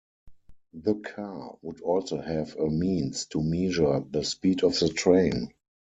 The car would also have a means to measure the speed of the train.